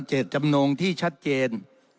ตจำนงที่ชัดเจน